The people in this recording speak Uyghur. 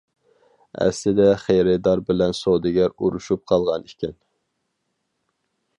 ئەسلىدە خېرىدار بىلەن سودىگەر ئۇرۇشۇپ قالغان ئىكەن.